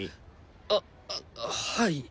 あはい。